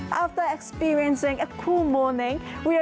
พร้อมเมื่อเมื่อกลุ่มธรรมดี